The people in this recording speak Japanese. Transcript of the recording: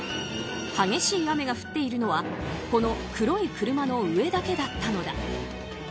激しい雨が降っているのはこの黒い車の上だけだったのだ。